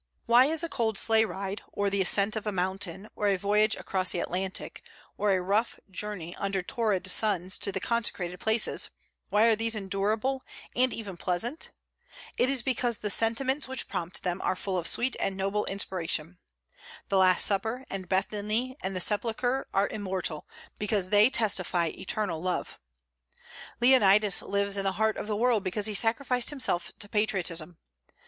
Why is a cold sleigh ride, or the ascent of a mountain, or a voyage across the Atlantic, or a rough journey under torrid suns to the consecrated places, why are these endurable, and even pleasant? It is because the sentiments which prompt them are full of sweet and noble inspiration. The Last Supper, and Bethany, and the Sepulchre are immortal, because they testify eternal love. Leonidas lives in the heart of the world because he sacrificed himself to patriotism.